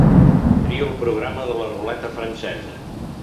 Trio el programa de la ruleta francesa.